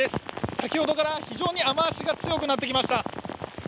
先ほどから非常に雨足が強くなってきました。